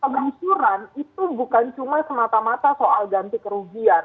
penggusuran itu bukan cuma semata mata soal ganti kerugian